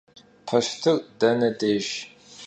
Poştır dene dêjj?